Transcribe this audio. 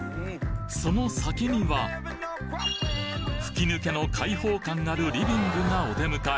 その先には吹き抜けの開放感あるリビングがお出迎え